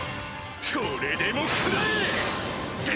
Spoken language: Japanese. これでも食らえ！